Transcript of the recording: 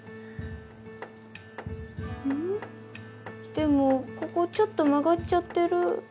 でもここちょっと曲がっちゃってる。